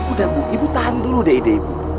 udah bu ibu tahan dulu deh ide ibu